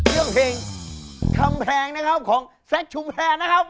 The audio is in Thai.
เรื่องเพลงคำแพงนะครับของแซคชุมแพรนะครับ